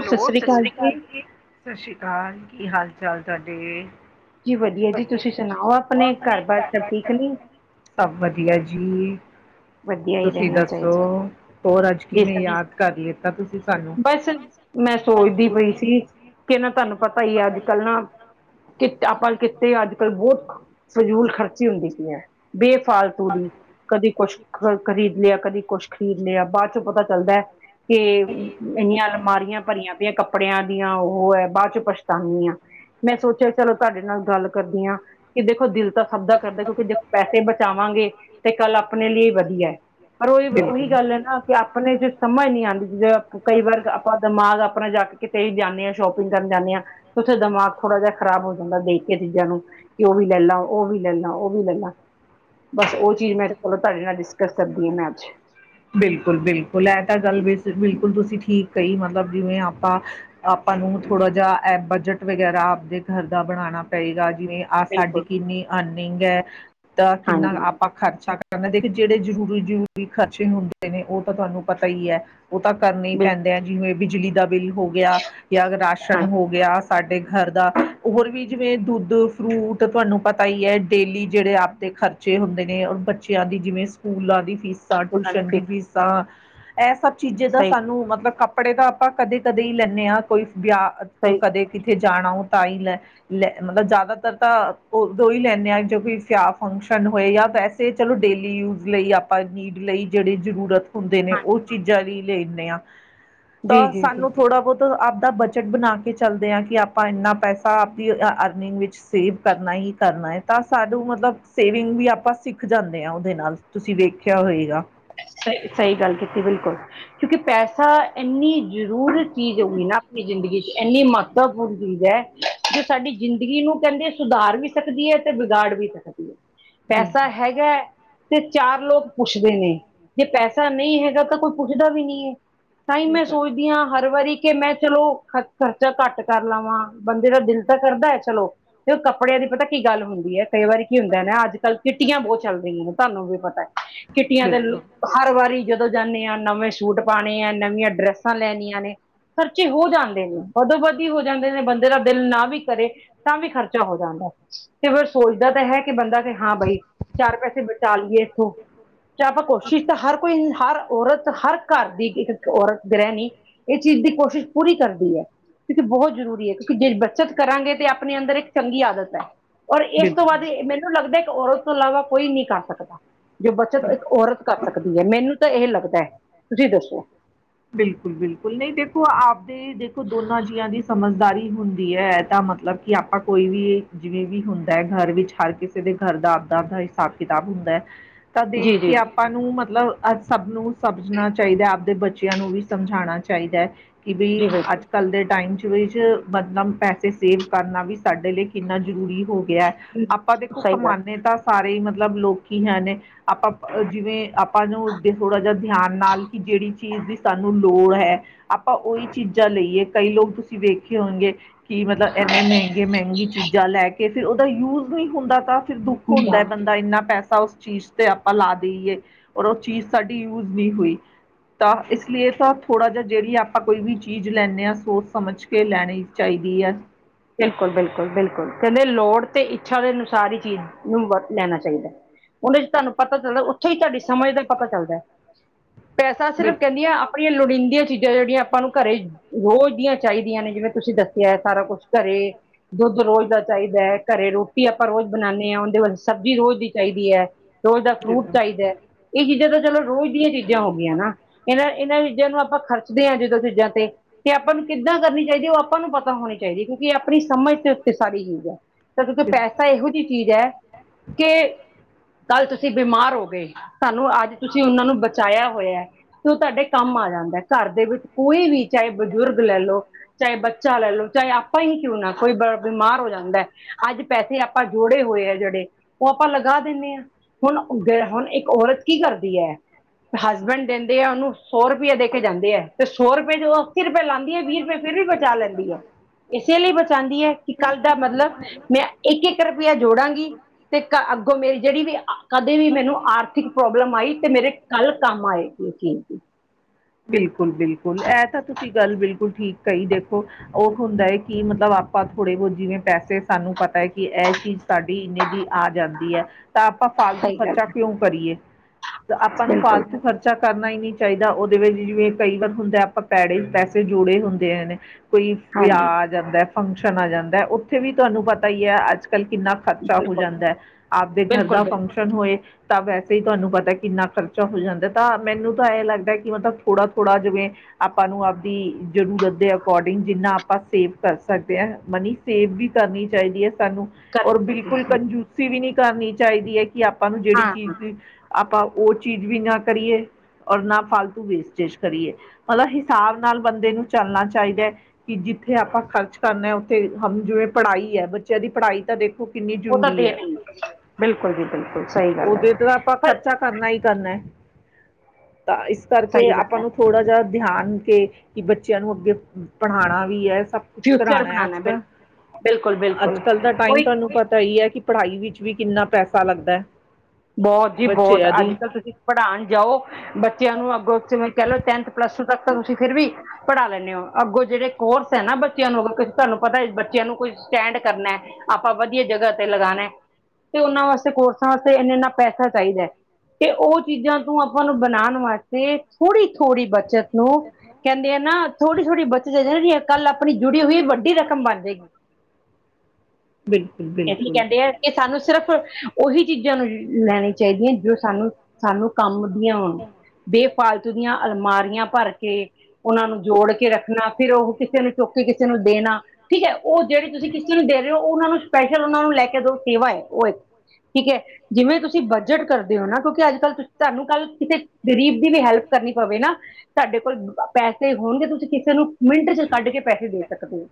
Hello ਸਤਿ ਸ਼੍ਰੀ ਅਕਾਲ ਜੀ। ਸਤਿ ਸ਼੍ਰੀ ਅਕਾਲ ਕੀ ਹਾਲ ਚਾਲ ਤੁਹਾਡੇ ਜੀ ਵਧੀਆ ਜੀ, ਤੁਸੀਂ ਸੁਣਾਓ ਹੋਰ ਆਪਣੇ ਘਾਰ ਬਾਰਸਬ ਠੀਕ ਅਣ, ਸਭ ਵਧੀਆ ਜੀ। ਵਧੀਆ ਹੀ ਤੁਸੀਂ ਰਹਿਣਾ ਦੱਸੋ। ਚਾਹੀਦਾ ਹੋਰ ਅੱਜ ਜੀ ਕਿਵੇਂ ਸਭ ਯਾਦ ਕਰ ਲਿੱਤਾ ਤੁਸੀਂ ਸਾਨੂੰ ਬਸ ਮੈਂ ਸੋਚਦੀ ਪਈ ਸੀ। ਕਿ ਤੁਹਾਨੂੰ ਨਾ ਪਤਾ ਹੀ ਐ, ਅੱਜ ਕੱਲ੍ਹ ਨਾ ਕਿੱਤੇ ਆਪਾਂ ਕਿੱਤੇ ਅੱਜ ਕੱਲ੍ਹ ਬਹੁਤ, ਫਜ਼ੂਲ ਖਰਚੀ ਹੁੰਦੀ ਪਈ ਹੈ। ਬੇਫਾਲਤੂ ਦੀ, ਕਦੀ ਕੁਛ ਖ਼ਰੀਦ ਲਿਆ ਕਦੀ ਕੁੱਛ ਖਰੀਦ ਲਿਆ। ਬਾਅਦ ਚੋਂ ਪਤਾ ਚੱਲਦਾ ਕਿ ਇੰਨੀਆਂ ਅਲਮਾਰੀਆਂ ਭਰੀਆਂ ਪਈਆਂ ਕੱਪੜਿਆਂ ਦੀਆਂ। ਉਹ ਹੈ ਬਾਅਦ ਚ ਪੱਛਤਾਨੀ ਆ ਮੈਂ ਸੋਚਿਆ ਚਲੋ ਤੁਹਾਡੇ ਨਾਲ ਗੱਲ ਕਰਦੀ ਆਂ। ਕਿ ਦੇਖੋ ਦਿਲ ਤਾਂ ਸਭ ਦਾ ਕਰਦਾ। ਕਿਉਂਕਿ ਜੇ ਪੈਸੇ ਬਚਾਵਾਂਗੇ, ਤੇ ਕੱਲ ਆਪਣੇ ਲਈ ਵਧੀਆ। ਪਰ ਉਹੀ- ਉਹੀ ਗੱਲ ਹੈ ਨਾ। ਕਿ ਆਪਣੇ ਚ ਸਮਝ ਨੀ ਆਉਂਦੀ ਕਈ ਵਾਰ ਆਪਾਂ ਦਿਮਾਗ, ਆਪਣਾ ਜਾ ਕੇ ਕਿਤੇ ਵੀ ਜਾਂਦੇ ਹਾਂ ਸ਼ੋਪਿੰਗ ਕਰਨ ਜਾਂਦੇ ਆ। ਉੱਥੇ ਦਿਮਾਗ ਥੋੜ੍ਹਾ ਜਿਹਾ ਖਰਾਬ ਹੋ ਜਾਂਦਾ। ਦੇਖ ਕੇ ਚੀਜ਼ਾਂ ਨੂੰ ਇਹ ਵੀ ਲੈ ਲਾ, ਉਹ ਵੀ ਲੈ ਲਾ, ਉਹ ਵੀ ਲੈ ਲਾ। ਬਸ ਇਹ ਚੀਜ਼ ਮੈਂ ਚਲੋ ਤੁਹਾਡੇ ਨਾਲ ਡਿਸਕਸ ਕਰਦੀ ਆ ਮੈਂ ਅੱਜ। ਬਿਲਕੁਲ -ਬਿਲਕੁਲ ਇਹ ਤਾਂ ਗੱਲ ਬਸ ਬਿਲਕੁਲ ਤੁਸੀਂ ਠੀਕ ਕਹੀ। ਮਤਲਬ ਜਿਵੇਂ ਆਪਾਂ ਆਪਾਂ ਨੂੰ ਥੋੜ੍ਹਾ ਜਿਹਾ ਇਹ ਬਜਟ ਵਗੈਰਾ ਆਪਦੇ ਘਰ ਦਾ ਬਣਾਉਣਾ ਪਏਗਾ ਜਿਵੇਂ ਆ ਸਾਡੀ ਬਿਲਕੁਲ ਕਿੰਨੀ ਅਰਨਿੰਗ ਐ। ਤਾਂ ਕਿੰਨਾ ਹਾਂਜੀ ਆਪਾਂ ਖਰਚਾ ਕਰਨਾ ਦੇਖੋ। ਜਿਹੜੇ ਜ਼ਰੂਰੀ ਜ਼ਰੂਰੀ ਖਰਚੇ ਹੁੰਦੇ ਨੇ, ਉਹ ਤਾਂ ਤੁਹਾਨੂੰ ਪਤਾ ਹੀ ਐ। ਓਹ ਤਾਂ ਕਰਨੇ ਹੀ ਬਿਲਕੁਲ ਪੈਂਦੇ ਆ। ਜਿਵੇਂ ਬਿਜਲੀ ਦਾ ਬਿੱਲ ਹੋ ਗਿਆ। ਜਾਂ ਰਾਸ਼ਨ ਹਾਂਜੀ ਹੋ ਗਿਆ। ਸਾਡੇ ਘਰ ਦਾ ਹੋਰ ਵੀ ਜਿਵੇਂ ਦੁੱਧ, ਫਰੂਟ ਤੁਹਾਨੂੰ ਪਤਾ ਹੀ ਐ ਡੇਲੀ ਜਿਹੜੇ ਆਪਦੇ ਖਰਚ ਬੱਚੇ ਹੁੰਦੇ ਨੇ, ਬੱਚਿਆਂ ਦੀ ਜਿਵੇਂ ਸਕੂਲਾਂ ਦੀ ਫੀਸ ਉਹਨਾਂ ਨੇ ਟਊਸ਼ਨ ਦੀ ਫਿਰ ਫੀਸਾਂ। ਇਹ ਸਭ ਚੀਜ਼ੇ ਦਾ ਸਹੀ ਸਾਨੂੰ ਮਤਲਬ ਕੱ ਕੱਪੜੇ ਤਾਂ ਆਪਾਂ ਕਦੇ-ਕਦੇ ਹੀ ਲੈਂਦੇ ਆ ਕੋਈ ਵਿਆਹ ਸਹੀ ਕਦੇ, ਕਿਤੇ ਜਾਣਾ ਉਹ ਤਾਂ ਹੀ ਲੈ ਲੈ ਮਤਲਬ, ਜ਼ਿਆਦਾਤਰ ਤਾਂ ਉਦੋਂ ਹੀ ਲੈਂਦੇ ਆ ਜੋ ਕੋਈ ਵਿਆਹ ਫੰਕਸ਼ਨ ਹੋਏ ਜਾਂ ਵੈਸੇ ਤੇ ਚਲੋ, ਡੇਲੀ ਯੂਜ ਲਈ ਆਪਾਂ ਨੀ ਲਈ ਜਿਹੜੇ ਜ਼ਰੂਰਤ ਹੁੰਦੇ ਨੇ, ਹਾਂ ਉਹ ਚੀਜ਼ਾਂ ਲਈ ਲੈਂਨੇ ਆ। ਤਾਂ ਜੀ ਜੀ ਜੀ ਸਾਨੂੰ ਥੋੜਾ ਬਹੁਤ ਆਪਦਾ ਬਜਟ ਬਣਾ ਕੇ ਚੱਲਦੇ ਆ ਕਿ ਆਪਾਂ ਇੰਨਾ ਪੈਸਾ ਆਪਦੀ ਅਰਨਿੰਗ ਵਿੱਚ ਸੇਵ ਕਰਨਾ ਹੀ ਕਰਨਾ ਐ। ਤਾਂ ਸਾਨੂੰ ਮਤਲਬ ਸੇਵਿੰਗ ਵੀ ਆਪਾਂ ਸਿੱਖ ਜਾਂਦੇ ਆ ਉਹਦੇ ਨਾਲ, ਤੁਸੀਂ ਵੇਖਿਆ ਹੋਏਗਾ। ਸਹੀ ਗੱਲ ਕੀਤੀ ਬਿਲਕੁਲ। ਕਿਉਂ ਕਿ ਪੈਸਾ ਇੰਨੀ ਜ਼ਰੂਰਤ ਚੀਜ਼ ਹੋਊਗੀ ਨਾ ਆਪਣੀ ਜ਼ਿੰਦਗੀ ਚ, ਇੰਨੀ ਮਹਤ ਮਹੱਤਵਪੂਰਨ ਚੀਜ਼ ਐ। ਜੋ ਸਾਡੀ ਜ਼ਿੰਦਗੀ ਨੂੰ ਕਹਿੰਦੇ ਸੁਧਾਰ ਵੀ ਸਕਦੀ ਐ, ਤੇ ਵਿਗਾੜ ਵੀ ਸਕਦੀ। ਪੈਸਾ ਬਿਲਕੁਲ। ਹੈਗਾ ਤੇ ਚਾਰ ਲੋਕ ਪੁੱਛਦੇ ਨੇ ਜੇ ਪੈਸਾ ਨਹੀਂ ਹੈਗਾ ਤਾਂ ਕੋਈ ਪੁੱਛਦਾ ਵੀ ਨਹੀਂ ਐ ਤਾਈ ਸਹੀ ਮੈਂ ਗੱਲ। ਸੋਚਦੀ ਹਾਂ। ਹਰ ਵਾਰੀ ਕਿ ਮੈਂ ਚਲੋ ਖਰਚਾ ਘੱਟ ਕਰ ਲਾਵਾਂ ਬੰਦੇ ਦਾ ਦਿਲ ਤਾਂ ਕਰਦਾ ਐ ਚਲੋ। ਤੇ ਉਹ ਕੱਪੜਿਆਂ ਦੀ ਪਤਾ ਕੀ ਗੱਲ ਹੁੰਦੀ ਐ। ਕਈ ਵਾਰੀ ਕੀ ਹੁੰਦਾ ਨਾ ਅੱਜ- ਕੱਲ ਕਿੱਟੀਆਂ ਬਹੁਤ ਚੱਲ ਰਹੀਆਂ ਨੇ ਤੁਹਾਨੂੰ ਵੀ ਪਤਾ ਕਿੱਟੀਆਂ ਦੇ ਬਿਲਕੁਲ। ਲੋਕ। ਹਰ ਵਾਰੀ ਜਦੋਂ ਜਾਂਨੇ ਆ ਨਵੇਂ ਸੂਟ ਪਾਉਣੇ ਐ। ਨਵੀਆਂ ਡਰੈਸਾਂ ਲੈਣੀਆਂ ਨੇ। ਖਰਚੇ ਹੋ ਜਾਂਦੇ ਨੇ ਵਧੋ- ਵਧੀ ਹੋ ਜਾਂਦੇ ਨੇ ਬੰਦੇ ਦਾ ਦਿਲ ਨਾ ਵੀ ਕਰੇ। ਤਾਂ ਵੀ ਖਰਚਾ ਹੋ ਜਾਂਦਾ ਤੇ ਫੇਰ ਸੋਚਦਾ ਤਾਂ ਹੈ ਕਿ ਬੰਦਾ। ਹਾਂ ਬਾਈ ਚਾਰ ਪੈਸੇ ਬਚਾ ਲਈਏ ਇੱਥੋਂ ਚ ਆਪਾਂ ਕੁਛ। ਸਿੱਟਾ ਹਰ ਕੋਈ ਹਰ ਔਰਤ ਹਰ ਘਰ ਦੀ ਈ। ਔਰਤ ਗ੍ਰਹਿਣੀ ਇਸ ਚੀਜ਼ ਦੀ ਕੋਸ਼ਿਸ਼ ਪੂਰੀ ਕਰਦੀ ਐ। ਕਿਉਂਕਿ ਬਹੁਤ ਜ਼ਰੂਰੀ ਐ ਕਿਉਂਕਿ ਜੇ ਬੱਚਤ ਕਰਾਂਗੇ ਤੇ ਆਪਾਂ। ਆਪਣੇ ਅੰਦਰ ਇੱਕ ਚੰਗੀ ਆਦਤ ਐ। ਔਰ ਇਸ ਤੋਂ ਬਿਲਕੁਲ। ਬਾਅਦ ਮੈਨੂੰ ਲੱਗਦਾ ਇੱਕ ਔਰਤ ਤੋਂ ਇਲਾਵਾ ਕੋਈ ਨਹੀਂ ਕਰ ਸਕਦਾ ਜੋ ਬੱਚਤ ਇੱਕ ਔਰਤ। ਕਰ ਸਕਦੀ ਐ। ਮੈਨੂੰ ਤਾਂ ਇਹ ਲੱਗਦਾ ਐ। ਤੁਸੀਂ ਦੱਸੋ। ਬਿਲਕੁਲ-ਬਿਲਕੁਲ ਨਹੀਂ ਦੇਖੋ ਆਪਦੇ ਦੇਖੋ ਦੋਨਾਂ ਜੀਆਂ ਦੀ ਸਮਝਦਾਰੀ ਹੁੰਦੀ ਐ। ਤਾਂ ਮਤਲਬ ਕਿ ਆਪਾਂ ਕੋਈ ਵੀ ਜਿਵੇਂ ਵੀ ਹੁੰਦਾ ਐ ਘਰ ਵਿੱਚ ਹਰ ਕਿਸੇ ਦੇ ਘਰ ਦਾ ਆਪਦਾ-ਆਪਦਾ ਹਿਸਾਬ ਕਿਤਾਬ ਹੁੰਦਾ ਐ। ਤਾਂ ਦੇਖ ਜੀ ਜੀ ਕੇ ਆਪਾਂ ਨੂੰ ਮਤਲਬ ਆ ਸਭ ਨੂੰ ਸਮਝਣਾ ਚਾਹੀਦਾ ਆਪਦੇ ਬੱਚ। ਬੱਚਿਆਂ ਨੂੰ ਵੀ ਸਮਝਾਉਣਾ ਚਾਹੀਦਾ ਐ। ਕਿ ਜੀ ਬਈ ਅੱਜ ਬਿਲਕੁਲ ਕੱਲ੍ ਦੇ ਟਾਈਮ 'ਚ ਵਿੱਚ ਮਤਲਬ ਪੈਸੇ ਸੇਵ ਕਰਨਾ ਵੀ ਸਾਡੇ ਲਈ ਕਿੰਨਾ ਜ਼ਰੂਰੀ ਹੋ। ਗਿਆ ਐ ਆਪਾਂ ਦੇਖੋ ਸਹੀ ਗੱਲ ਕਮਾਨੇ ਤਾਂ ਸਾਰੇ ਹੀ ਮਤਲਬ ਲੋਕੀ ਹੈ ਨੇ। ਆਪਾਂ ਜਿਵੇਂ ਆਪਾਂ ਨੂੰ ਥੋੜ੍ਹਾ ਜਿਹਾ ਧਿਆਨ ਨਾਲ ਕਿ ਜਿਹੜੀ। ਚੀਜ਼ ਦੀ ਸਾਨੂੰ ਲੋੜ ਹੈ ਆਪਾਂ ਉਹੀ ਚੀਜ਼ਾਂ ਲਈਏ ਕਈ ਲੋਕ ਤੁਸੀਂ ਵੇਖੇ ਹੋਣਗੇ ਕਿ ਮਤਲਬ ਇੰਨੇ ਮਹਿੰਗੇ-ਮਹਿੰਗੀ ਚੀਜ਼ਾਂ ਲੈ ਕੇ ਫਿਰ ਉਹਦਾ ਯੂਜ ਨਹੀਂ ਹੁੰਦਾ ਤਾਂ। ਫਿਰ ਦੁੱਖ ਹੁੰਦਾ ਬੰਦਾ ਇੰਨਾ ਪੈਸਾ ਉਸ ਚੀਜ਼ ਤੇ ਤੇ ਆਪਾਂ ਲਾ ਦੇਈਏ, ਔਰ ਉਹ ਚੀਜ਼ ਸਾਡੀ ਯੂਜ਼ ਵੀ ਹੋਈ। ਤਾਂ ਇਸ ਲਈ ਤਾਂ ਥੋੜ੍ਹਾ ਜਿਹਾ ਜਿਹੜੀ ਆਪਾਂ ਕੋਈ ਵੀ ਚੀਜ਼ ਲੈਂਨੇ ਹਾਂ ਸੋਚ ਸਮਝ ਕੇ ਲੈਣੀ ਚਾਹੀਦੀ ਹੈ। ਬਿਲਕੁਲ-ਬਿਲਕੁਲ-ਬਿਲਕੁਲ, ਕਹਿੰਦੇ ਲੋੜ ਤੇ ਇੱਛਾ ਦੇ ਅਨੁਸਾਰ ਹੀ ਚੀਜ਼ ਨੂੰ ਵ ਲੈਣਾ ਚਾਹੀਦਾ ਹੈ। ਉਹਦੇ ਚ' ਤੁਹਾਨੂੰ ਪਤਾ ਚੱਲਦਾ ਹੈ। ਉੱਥੋਂ ਹੀ ਤੁਹਾਡੀ ਸਮਝ ਦਾ ਪਤਾ ਚੱਲਦਾ ਹੈ। ਪੈਸਾ ਸਿਰਫ ਕਹਿੰਦੀਆਂ ਆਪਣੀਆਂ ਲੋੜੀਂਦੀਆਂ ਚੀਜ਼ਾਂ ਜਿਹੜੀਆਂ ਆਪਾਂ ਨੂੰ ਘਰੇ ਰੋਜ਼ ਦੀਆਂ ਚਾਹੀਦੀਆਂ ਨੇ ਜਿਵੇਂ ਤੁਸੀਂ ਦੱਸਿਆ ਹੈ ਸਾਰਾ ਕੁਛ ਘਰੇ ਦੁੱਧ ਰੋਜ਼ ਦਾ ਚਾਹੀਦਾ ਹੈ। ਘਰੇ ਰੋਟੀ ਆਪਾਂ ਰੋਜ਼ ਬਣਾਉਂਦੇ ਹਾਂ। ਉਹਦੇ ਵਸ ਸਬਜ਼ੀ ਰੋਜ਼ ਦੀ ਚਾਹੀਦੀ ਹੈ। ਰੋਜ਼ ਦਾ ਫਰੂਟ ਚਾਹੀਦਾ ਹੈ। ਇਹ ਚੀਜ਼ਾਂ ਤਾਂ ਚਲੋ ਰੋਜ਼ ਦੀਆਂ ਚੀਜ਼ਾਂ ਹੋ ਗਈਆਂ ਨਾ, ਇਹਨਾਂ-ਇਹਨਾਂ ਚੀਜਾ ਨੂੰ ਆਪਾਂ ਖਰਚਦੇ ਹਾਂ ਜਦੋਂ ਚੀਜ਼ਾਂ ਤੇ, ਤੇ ਆਪਾਂ ਨੂੰ ਕਿੱਦਾਂ ਕਰਨੀ ਚਾਹੀਦੀ ਹੈ। ਉਹ ਆਪਾਂ ਨੂੰ ਪਤਾ ਹੋਣੀ ਚਾਹੀਦੀ ਹੈ। ਕਿ ਆਪਣੀ ਸਮਝ ਤੇ ਉੱਤੇ ਸਾਰੀ ਚੀਜ ਹੈ ਤਾਂ ਦਜਿਉਂਕਿ ਪੈਸੇ ਤਾਂ ਇਹੋ ਜਿਹੀ ਚੀਜ਼ ਹੈ। ਕਿ ਕੱਲ ਤੁਸੀਂ ਬਿਮਾਰ ਹੋ ਗਏ। ਸਾਨੂੰ ਅੱਜ ਤੁਸੀਂ ਉਹਨਾਂ ਨੂੰ ਬਚਾਇਆ ਹੋਇਆ, ਤੇ ਉਹ ਤੁਹਾਡੇ ਕੰਮ ਆ ਜਾਂਦਾ ਹੈ। ਘਰ ਦੇ ਵਿੱਚ ਕੋਈ ਵੀ ਚਾਹੇ ਬਜ਼ੁਰਗ ਲੈ ਲਓ, ਚਾਹੇ ਬੱਚਾ ਲੈ ਲਓ, ਚਾਹੇ ਆਪਾਂ ਹੀ ਕਿਉਂ ਨਾ, ਕੋਈ ਬਿਮਾਰ ਹੋ ਜਾਂਦਾ, ਅੱਜ ਪੈਸੇ ਆਪਾਂ ਜੋੜੇ ਹੋਏ ਆ ਜਿਹੜੇ ਉਹ ਆਪਾਂ ਲਗਾ ਦਿੰਨੇ ਹਾਂ। ਹੁਣ-ਹੁਣ ਇੱਕ ਔਰਤ ਕੀ ਕਰਦੀ ਹੈ। ਹਸਬੈਂਡ ਦਿੰਦੇ ਆ ਉਹਨੂੰ ਸੌ ਰੁਪਇਆ ਦੇ ਕੇ ਜਾਂਦੇ ਹੈ ਤੇ ਸੌ ਰੁਪਏ ਜਦੋਂ ਅੱਸੀ ਰੁਪਏ ਲਾਉਦੀ ਹੈ, ਵੀਹ ਰੁਪਏ ਫਿਰ ਵੀ ਬਚਾ ਲੈਂਦੀ ਹੈ। ਇਸੇ ਲਈ ਬਚਾਉਂਦੀ ਹੈ ਕਿ ਕੱਲ ਦਾ ਮਤਲਬ ਮੈਂ ਇੱਕ- ਇੱਕ ਰੁਪਇਆ ਜੋੜਾਂਗੀ ਤੇ ਅੱਗੋਂ ਮੇਰੀ ਜਿਹੜੀ ਵੀ ਹ ਕਦੇ ਵੀ ਮੈਨੂੰ ਆਰਥਿਕ ਪ੍ਰੋਬਲਮ ਆਈ ਤੇ ਮੇਰੇ ਕੱਲ ਕੰਮ ਆਏਗੀ ਇਸ ਚੀਜ਼ ਦੀ। ਬਿਲਕੁਲ-ਬਿਲਕੁਲ। ਇਹ ਤਾਂ ਤੁਸੀਂ ਗੱਲ ਬਿਲਕੁਲ ਠੀਕ ਕਹੀ ਦੇਖੋ ਉਹ ਹੁੰਦਾ ਹੈ ਕਿ ਮਤਲਬ ਆਪਾਂ ਥੋੜੇ -ਬਹੁਤ ਜਿਵੇਂ ਪੈਸੇ ਸਾਨੂੰ ਪਤਾ ਹੈ ਕਿ ਇਹ ਚੀਜ਼ ਸਾਡੀ ਇੰਨ ਦੀ ਆ ਜਾਂਦੀ ਹੈ। ਤਾਂ ਆਪਾਂ ਫਾਲਤੂ ਸਹੀ ਗੱਲ ਖਰਚਾ ਕਿਉਂ ਕਰੀਏ, ਤੇ ਆਪਾਂ ਨੂੰ ਬਿਲਕੁਲ ਫਾਲਤੂ ਖਰਚ ਖਰਚਾ ਕਰਨਾ ਹੀ ਨਹੀਂ ਚਾਹੀਦਾ ਉਹਦੇ ਵਿੱਚ ਜਿਵੇਂ ਕਈ ਵਾਰ ਹੁੰਦੇ ਆਪਾਂ ਪੈੜੇ ਪੈਸੇ ਜੋੜੇ ਹੁੰਦੇ ਨੇ। ਕੋਈ ਵਿਆਹ ਆ ਜਾਂਦਾ, ਫੰਕਸ਼ਨ ਆ ਜਾਂਦਾ, ਉੱਥੇ ਵੀ ਤੁਹਾਨੂੰ ਪਤਾ ਹੀ ਹੈ ਅੱਜ ਕੱਲ੍ਹ ਕਿੰਨਾ ਖਰਚਾ ਹੋ ਬਿਲਕੁਲ ਜਾਂਦਾ ਹੈ। ਆਪਦੇ ਘਰ ਬਿਲਕੁਲ ਦਾ ਬਿਲਕੁਲ ਫੰਕਸ਼ਨ ਹੋਏ। ਤਾਂ ਵੈਸੇ ਹੀ ਤੁਹਾਨੂੰ ਪਤਾ ਕਿੰਨਾ ਖਰਚਾ ਹੋ ਜਾਂਦਾ ਤਾਂ, ਮੈਨੂੰ ਤਾਂ ਇਹ ਲੱਗਦਾ ਕਿ ਮਤਲਬ ਥੋੜ੍ਹਾ - ਥੋੜ੍ਹਾ ਜਿਵੇਂ ਆਪਾਂ ਨੂੰ ਆਪਦੀ, ਜ਼ਰੂਰਤ ਦੇ ਅਕੋਰਡਿੰਗ ਜਿੰਨਾ ਆਪਾਂ ਸੇਵ ਕਰ ਸਕਦੇ ਹਾਂ, ਮਨੀ ਸੇਵ ਵੀ ਕਰਨੀ ਚਾਹੀਦੀ ਹੈ ਸਾਨੂੰ। ਔਰ ਕਰਦੇ ਬਿਲਕੁਲ ਹਾਂ ਕੰਜੂਸੀ ਵੀ ਨਹੀਂ ਕਰਨੀ ਚਾਹੀਦੀ ਹੈ, ਕਿ ਆਪਾਂ ਨੂੰ ਜਿਹੜੀ ਹਾਂ, ਚੀਜ਼ ਆਪਾਂ ਉਹ ਚੀਜ਼ ਵੀ ਨਾ ਕਰੀਏ। ਔਰ ਨਾ ਫਾਲਤੂ ਵੇਸਟੇਜ ਕਰੀਏ, ਮਤਲਬ ਹਿਸਾਬ ਨਾਲ ਬੰਦੇ ਨੂੰ ਚੱਲਣਾ ਚਾਹੀਦਾ ਹੈ। ਕਿ ਜਿੱਥੇ ਆਪਾਂ ਖਰਚ ਕਰਨਾ, ਉੱਥੇ ਹ ਜਿਵੇਂ ਪੜ੍ਹਾਈ ਹੈ, ਬੱਚਿਆਂ ਦੀ ਪੜ੍ਹਾਈ ਤਾਂ ਦੇਖੋ ਕਿੰਨੀ ਉਹ ਤਾਂ ਜ਼ਰੂਰੀ ਦੇਣ ਹੈ ਹੀ ਬਿਲਕੁਲ ਜੀ, ਬਿਲਕੁਲ। ਸਹੀ ਗੱਲ ਹੈ ਉਹਦੇ ਤੇ ਆਪਾਂ ਪਰ ਖਰਚਾ ਕਰਨਾ ਹੀ ਕਰਨਾ, ਤਾਂ ਇਸ ਕਰਕੇ ਸਹੀ ਗੱਲ ਆਪਾਂ ਹੈ ਨੂੰ ਥੋੜ੍ਹਾ ਜਿਹਾ ਧਿਆਨ ਕੇ ਕਿ ਬੱਚਿਆਂ ਨੂੰ ਅੱਗੇ, ਪੜ੍ਹਾਉਣਾ ਵੀ ਹੈ ਸਭ ਕੁਛ ਫਿਊਚਰ ਕਰਾਉਣਾ ਹੈ, ਅੱਜ ਬਣਾਉਣਾ ਕੱਲ ਬਿਲ- ਬਿਲਕੁਲ ਅੱਜ ਬਿਲਕੁਲ ਕੱਲ ਦਾ ਟਾਈਮ ਕੋਈ ਤੁਹਾਨੂੰ ਪਤਾ ਹੀ ਹੈ ਕਿ ਪੜ੍ਹਾਈ ਵਿੱਚ ਵੀ ਕਿੰਨਾ ਪੈਸਾ ਲੱਗਦਾ‌। ਬਹੁਤ ਜੀ ਬਹੁਤ, ਅੱਜ ਕੱਲ ਤੁਸੀਂ ਪੜ੍ਹਾਉਣ ਜਾਓ, ਬੱਚਿਆਂ ਨੂੰ ਅੱਗੋਂ ਕਹਿ ਲਓ, ਟੈਨਥ ਪਲੱਸ ਟੂ ਤੱਕ ਤਾਂ ਤੁਸੀਂ ਫਿਰ ਵੀ ਪੜ੍ਹਾ ਲੈਂਦੇ ਹਾਂ, ਅੱਗੋਂ ਜਿਹੜੇ ਕੋਰਸ ਹੈ ਨਾ ਬੱਚਿਆਂ ਨੂੰ ਅਗਰ ਤੁਹਾਨੂੰ ਪਤਾ ਬੱਚਿਆਂ ਨੂੰ ਕੋਈ ਸਟੈਂਡ ਕਰਨਾ। ਆਪਾਂ ਵਧੀਆ ਜਗ੍ਹਾ ਤੇ ਲਗਾਉਣਾ ਹੈ, ਤੇ ਉਹਨਾਂ ਵਾਸਤੇ ਕੋਰਸਾਂ ਵਾਸਤੇ ਇੰਨੇ- ਇਨਾ ਪੈਸਾ ਚਾਹੀਦਾ ਹੈ। ਕਿ ਉਹ ਚੀਜ਼ਾਂ ਤੋਂ ਆਪਾਂ ਨੂੰ ਬਣਾਉਣ ਵਾਸਤੇ ਥੋੜ੍ਹੀ -ਥੋੜ੍ਹੀ ਬੱਚਤ ਨੂੰ ਕਹਿੰਦੇ ਆ ਨਾ, ਥੋੜੀ- ਥੋੜੀ ਬੱਚਤ ਜਾ ਕੱਲ ਆਪਣੀ ਜੁੜੀ ਹੋਈ ਵੱਡੀ ਰਕਮ ਬਣ ਜਾਏਗੀ। ਬਿਲਕੁਲ ਇਂਹੀ ਬਿਲਕੁਲ ਕਹਿੰਦੇ ਆ ਕਿ ਸਾਨੂੰ ਸਿਰਫ ਉਹੀ। ਚੀਜ਼ਾਂ ਨੂੰ ਲੈਣੀ ਚਾਹੀਦੀਆਂ, ਜੋ ਸਾਨੂੰ ਸਾਨੂੰ ਕੰਮ ਦੀਆਂ ਹੋਣ ਦੇੇ। ਬੇਫਾਲਤੂ ਦੀਆਂ ਅਲਮਾਰੀਆਂ ਭਰ ਕੇ। ਉਹਨਾਂ ਨੂੰ ਜੋੜ ਕੇ ਰੱਖਣਾ, ਫਿਰ ਉਹ ਕਿਸੇ ਨੂੰ ਚੁੱਕ ਕੇ ਕਿਸੇ ਨੂੰ ਦੇਣਾ। ਠੀਕ ਹੈ ਉਹ ਜਿਹੜੀ ਤੁਸੀਂ ਕਿਸੇ ਨੂੰ ਦੇ ਰਹੇ ਹੋ, ਉਹ ਉਹਨਾਂ ਨੂੰ ਸਪੈਸ਼ਲ ਉਹਨਾਂ ਨੂੰ ਲੈ ਕੇ ਜੋ ਸੇਵਾ ਹੈ ਉਹ ਇੱਕ। ਠੀਕ ਹੈ, ਜਿਵੇਂ ਤੁਸੀਂ ਬਜਟ ਕਰਦੇ ਹੋ, ਨਾ ਕਿਉਂਕਿ ਅੱਜ ਕੱਲ ਤੁਸੀ ਤੁਹਾਨੂੰ ਕੱਲ੍ਹ ਕਿਤੇ। ਗਰੀਬ ਦੀ ਵੀ ਹੈਲਪ ਕਰਨੀ ਪਵੇ, ਨਾ ਸਾਡੇ ਕੋਲ ਪੈਸੇ ਹੋਣਗੇ ਤੁਸੀਂ ਕਿਸੇ ਨੂੰ। ਮਿੰਟ ਚ ਕੱਢ ਕੇ ਪੈਸੇ ਦੇ ਸਕਦੇ ਹੋ,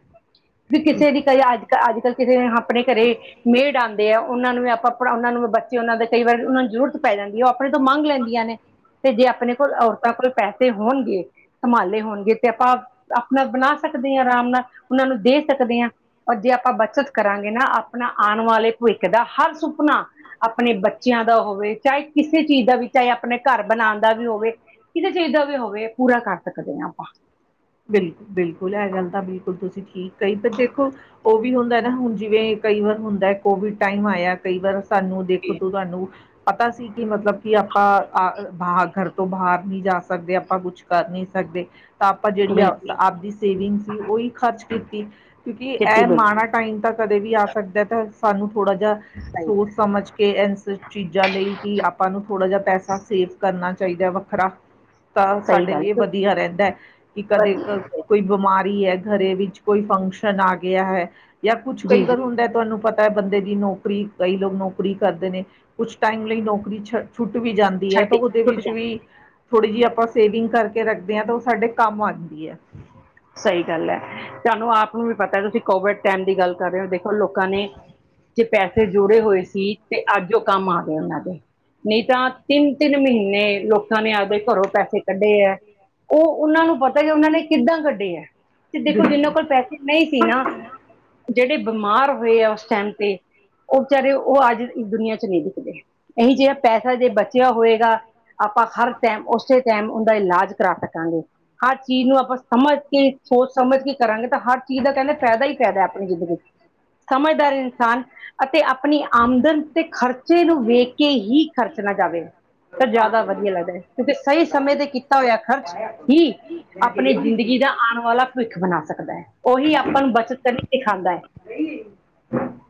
ਵੀ ਕਿਸੇ ਦੀ ਕਈ ਅੱਜ‌। ਅੱਜ ਕੱਲ੍ਹ ਕਿਸੇ ਆਪਣੇ ਘਰੇ ਮੇਡ ਆਉਂਦੇ ਆ ਉਹਨਾਂ ਨੂੰ ਵੀ ਆਪਾਂ। ਆਪ ਉਹਨਾਂ ਨੂੰ ਬੱਚੇ ਉਹਨਾਂ ਦੇ ਕਈ ਵਾਰੀ ਉਹਨਾਂ ਨੂੰ ਜ਼ਰੂਰਤ ਪੈ ਜਾਂਦੀ ਹੈ, ਉਹ ਆਪਣੇ ਤੋਂ ਮੰਗ ਲੈਂਦੀਆਂ ਨੇ। ਤੇ ਜੇ ਆਪਣੇ ਕੋਲ ਔਰਤਾਂ ਕੋਲ ਪੈਸੇ ਹੋਣਗੇ ਸੰਭਾਲੇ ਹੋਣਗੇ। ਤੇ ਆਪਾਂ ਆਪਣਾ ਬਣਾ ਸਕਦੇ ਹਾਂ, ਆਰਾਮ ਨਾਲ ਉਹਨਾਂ ਨੂੰ ਦੇ ਸਕਦੇ ਹਾਂ। ਔਰ ਜੇ ਆਪਾਂ ਬੱਚਤ ਕਰਾਂਗੇ, ਨਾ ਆਪਣਾ ਆਉਣ ਵਾਲੇ ਭਵਿੱਖ ਦਾ ਹਰ ਸੁਪ ਨਾ ਆਪਣੇ ਬੱਚਿਆਂ ਦਾ ਹੋਵੇ ਚਾਹੇ ਕਿਸੇ। ਕਿਸੇ ਚੀਜ਼ ਦਾ ਵੀ ਚਾਹੇ, ਆਪਣੇ ਘਰ ਬਣਾਉਣ ਦਾ ਵੀ ਹੋਵੇ ਕਿਸੇ ਚੀਜ਼ ਦਾ ਵੀ ਹੋਵੇ ਪੂਰਾ ਕਰ ਸਕਦੇ ਹਾਂ ਆਪਾਂ। ਬਿਲਕੁਲ -ਬਿਲਕੁਲ, ਇਹ ਗੱਲ ਤਾਂ ਬਿਲਕੁਲ ਤੁਸੀਂ ਠੀਕ ਕਈ ਦੇਖੋ। ਉਹ ਵੀ ਹੁੰਦਾ ਨਾ ਹੁਣ ਜਿਵੇਂ ਕਈ ਵਾਰ ਹੁੰਦਾ, ਕੋਵਿਡ ਟਾਈਮ ਆਇਆ ਕਈ ਵਾਰ। ਸਾਨੂੰ ਦੇਖੋ ਤੂੰ ਤੁਹਾਨੂੰ। ਆਪਾਂ ਸੀ ਕਿ ਮਤਲਬ ਕਿ ਆਪਾਂ ਆਖਿਰ ਘਰ ਤੋਂ ਬਾਹਰ ਨਹੀਂ ਜਾ ਸਕਦੇ ਆਪਾਂ ਕੁਛ। ਕਰ ਨਹੀਂ ਸਕਦੇ। ਤਾਂ ਆਪਾਂ ਜਿਹੜੀ ਆ ਬਿਲਕੁਲ ਆਪਦੀ ਸੇਵਿੰਗ ਸੀ, ਉਹੀ ਖਰਚ ਕੀਤੀ ਕਿਉਂਕਿ ਖੇਤੀ ਇਹ ਮਾੜਾ ਬਿਲਕੁਲ ਟਾਈਮ ਤਾਂ ਕਦੇ ਵੀ ਆ ਸਕਦਾ, ਤਾਂ ਸਾਨੂੰ ਥੋੜਾ ਜਿਹਾ ਸਹੀ ਸੋਚ। ਸਮਝ ਕੇ ਇਸ ਚੀਜ਼ਾਂ ਲਈ ਕਿ ਆਪਾਂ ਨੂੰ ਥੋੜ੍ਹਾ ਜਿਹਾ ਪੈਸਾ ਸੇਵ ਕਰਨਾ ਚਾਹੀਦਾ ਵੱਖਰਾ। ਹ। ਤਾਂ ਸਾਡੇ ਲਈ ਵਧੀਆ ਰਹਿੰਦਾ ਹੈ ਕਿ ਕਦੇ ਇੱਕ। ਵਧੀਆ ਕੋਈ ਬਿਮਾਰੀ ਹੈ ਘਰੇ ਵਿੱਚ ਕੋਈ ਫੰਕਸ਼ਨ ਆ ਗਿਆ ਹੈ ਜਾਂ ਕੁਛ ਕਈ ਜੀ ਜੀ ਵਾਰ ਹੁੰਦਾ ਤੁਹਾਨੂੰ ਪਤਾ। ਬੰਦੇ ਦੀ ਨੌਕਰੀ ਕਈ ਲੋਕ ਨੌਕਰੀ ਕਰਦੇ ਨੇ। ਕੁਛ ਟਾਈਮ ਲਈ ਨੌਕਰੀ ਛ ਛੁੱਟ ਵੀ ਜਾਂਦੀ ਹੈ ਛੱਡ ਤਾਂ ਉਹਦੇ ਛੁੱਟ ਵਿੱਚ ਵੀ। ਜਾਂਦੀ ਥੋੜੀ ਜਿਹੀ ਆਪਾਂ ਸੇਵਿੰਗ ਕਰਕੇ ਰੱਖਦੇ ਹਾਂ, ਤਾਂ ਉਹ ਸਾਡੇ ਕੰਮ ਆ ਜਾਂਦੀ ਹੈ। ਸਹੀ ਗੱਲ ਹੈ ਤੁਹਾਨੂੰ ਆਪ ਨੂੰ ਵੀ ਪਤਾ ਤੁਸੀਂ ਕੋਵਿਡ ਟਾਈਮ ਦੀ ਗੱਲ ਕਰ ਰਹੇ ਹੋ ਦੇਖੋ। ਉਹ ਲੋਕਾਂ ਨੇ ਜੇ ਪੈਸੇ ਜੋੜੇ ਹੋਏ ਸੀ ਤੇ। ਅੱਜ ਉਹ ਕੰਮ ਆ ਗਏ ਉਹਨਾਂ ਦੇ ਨਹੀਂ, ਤਾਂ ਤਿੰਨ- ਤਿੰਨ ਮਹੀਨੇ ਲੋਕ। ਨੇ ਆਪਦੇ ਘਰੋਂ ਪੈਸੇ ਕੱਢੇ ਐ ਉਹ ਉਹਨਾਂ ਨੂੰ ਪਤਾ ਕਿ ਉਹਨਾਂ ਨੇ ਕਿੱਦਾਂ ਕੱਢੇ ਐ। ਤੇ ਦੇਖੋ ਜਿਹਨਾਂ ਬਿਲਕੁਲ ਕੋਲ ਪੈਸੇ ਨਹੀਂ ਸੀ ਨਾ ਜਿਹੜੇ ਬਿਮਾਰ ਹੋਏ ਆ ਉਸ ਟਾਈਮ ਤੇ ਉਹ ਵਿਚਾਰੇ ਉਹ ਅੱਜ ਇਸ ਦੁਨੀਆਂ ਚ ਨਹੀਂ ਦਿਖਦੇ ਇਹੀ ਜਿਹਾ ਪੈਸਾ ਜੇ ਬਚਿਆ ਹੋਏਗਾ। ਆਪਾਂ ਹਰ ਟਾਈਮ ਉਸੇ ਟਾਈਮ ਉਹਦਾ ਇਲਾਜ ਕਰਾ ਸਕਾਂਗੇ ਹਰ ਚੀਜ਼ ਨੂੰ ਆਪਾਂ ਸਮਝ ਹਰ ਚੀਜ਼ ਸੋਚ ਸਮਝ ਕੇ ਕਰਾਂਗੇ ਤਾਂ ਹਰ ਚੀਜ਼ ਦਾ ਕਹਿੰਦੇ ਫਾਇਦਾ ਹੀ ਫਾਇਦਾ ਆਪਣੀ ਜ਼ਿੰਦਗੀ ਚ ਸਮਝਦਾਰ ਇਨਸਾਨ ਅਤੇ ਆਪਣੀ ਆਮਦਨ ਤੇ ਖ਼ਰਚੇ ਨੂੰ ਵੇਖ ਕੇ ਹੀ ਖਰਚਣਾ ਜਾਵੇ। ਤਾਂ ਜ਼ਿਆਦਾ ਵਧੀਆ ਲੱਗਦਾ ਕਿਉਂਕਿ ਸਹੀ ਸਮੇਂ ਤੇ ਕੀਤਾ ਹੋਇਆ ਖਰਚ ਹੀ ਮੈਂ ਗਈ ਆਪਣੀ ਸੀਗੀ। ਜ਼ਿੰਦਗੀ ਦਾ ਆਉਣ ਵਾਲਾ ਭਵਿੱਖ ਬਣਾ ਸਕਦਾ ਹੈ ਉਹੀ ਆਪਾਂ ਨੂੰ ਬੱਚਤਾਂ ਕਰਨੀ ਸਿਖਾਉਂਦਾ ਹੈ। [inaudible]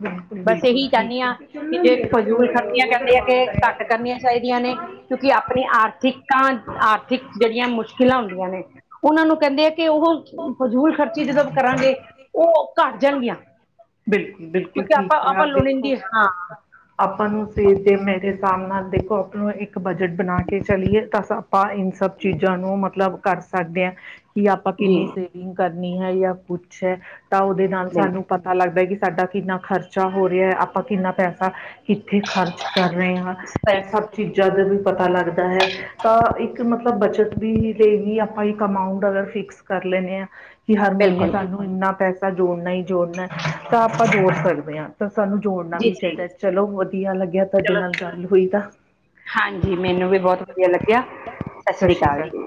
ਬਿਲਕੁਲ ਬਿਲਕੁਲ ਬਸ ਬਿਲਕੁਲ ਇਹੀ ਚਾਹੁੰਦੀ ਠੀਕ ਹਾਂ ਹੈ ਕਿ ਜੇ ਦੇਣਾ ਫਜ਼ੂਲ ਖ਼ਰਚੀਆਂ ਕਰਦੇ ਜੇ ਆ ਕਿ ਘੱਟ ਕਰਨੀਆਂ ਚਾਹੀਦੀਆਂ ਨੇ। ਕਿਉਂਕਿ ਆਪਣੇ ਆਰਥਿਕਾਂ ਆਰਥਿਕ ਜਿਹੜੀਆਂ ਮੁਸ਼ਕਿਲਾਂ ਹੁੰਦੀਆਂ ਨੇ ਉਹਨਾਂ ਨੂੰ ਕਹਿੰਦੇ ਆ ਕਿ ਉਹ ਫਜ਼ੂਲ ਖਰਚੀ ਜਦੋਂ ਕਰਾਂਗੇ ਉਹ ਘੱਟ ਜਾਣਗੀਆਂ ਬਿਲਕੁਲ ਬਿਲਕੁਲ ਕਿਉਂਕਿ ਠੀਕ ਆਪਾਂ ਕੇਹਾ ਆਪਾਂ ਆਪ ਦੇਖੋ ਲੋੜੀਂਦੀ ਹਾਂ ਆਪਾਂ ਨੂੰ, ਜੇ ਮੇਰੇ ਹਿਸਾਬ ਨਾਲ ਦੇਖੋ ਆਪਾਂ ਨੂੰ ਇੱਕ ਬਜਟ ਬਣਾ ਕੇ ਚਲੀਏ ਤਾਂ ਆਪਾਂ ਇਨ ਸਭ ਚੀਜ਼ਾਂ ਨੂੰ ਮਤਲਬ ਕਰ ਸਕਦੇ ਹਾਂ ਕਿ ਆਪਾਂ ਜੀ ਕਿੰਨੀ ਸੇਵਿੰਗ ਗ ਕਰਨੀ ਹੈ ਜਾਂ ਕੁੱਛ ਹੈ ਤਾਂ ਉਹਦੇ ਨਾਲ ਸਾਨੂੰ ਬਿਲਕੁਲ ਪਤਾ ਪਤਾ ਲੱਗਦਾ ਕਿ ਸਾਡਾ ਕਿੰਨਾ ਖਰਚਾ ਹੋ ਰਿਹਾ ਆਪਾਂ ਕਿੰਨਾ ਪੈਸਾ ਕਿੱਥੇ ਖਰਚ ਕਰ ਰਹੇ ਹਾਂ ਇਹ ਸਹੀ ਸਬ ਚੀਜ਼ਾਂ ਦਾ ਵੀ ਪਤਾ ਲੱਗਦਾ ਹੈ, ਤਾਂ ਇੱਕ ਮਤਲਬ ਬੱਚਤ ਵੀ ਲਈ ਵੀ ਆਪਾਂ ਇੱਕ ਅਮਾਊਂਟ ਅਗਰ ਫਿਕਸ ਕਰ ਲੈਂਨੇ ਆਂ ਕਿ ਹਰ ਮਹੀਨੇ ਬਿਲਕੁਲ ਸਾਨੂੰ ਇੰਨਾ ਪੈਸਾ ਜੋੜਨਾ ਹੀ ਜੋੜਨਾ ਤਾਂ ਆਪਾਂ ਜੋੜ ਸਕਦੇ ਆਂ ਤਾਂ ਸਾਨੂੰ ਜੋੜਨਾ ਜੀ ਵੀ ਸਹੀ ਚਾਹੀਦਾ, ਚਲੋ ਵਧੀਆ ਲੱਗਿਆ ਤੁਹਾਡੇ ਚਲੋ ਨਾਲ ਗੱਲ ਹੋਈ ਤਾਂ ਹਾਂਜੀ ਮੈਨੂੰ ਵੀ ਬਹੁਤ ਵਧੀਆ ਲੱਗਿਆ ਸਤਿ ਸ੍ਰੀ ਅਕਾਲ ਜੀ